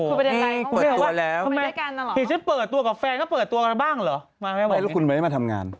เฮ่ยเปิดตัวแล้วเหตุฉันเปิดตัวกับแฟนก็เปิดตัวกันบ้างเหรอมาไว้แล้วคุณไม่ได้มาทำงาน